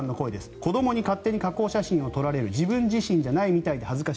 子どもに勝手に加工写真を撮られる自分自身じゃないみたいで恥ずかしい。